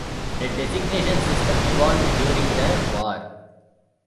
The designation system evolved during the war.